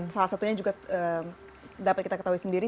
salah satunya juga dapat kita ketahui sendiri